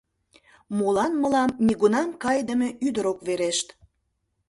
Молан мылам нигунам кайыдыме ӱдыр ок верешт?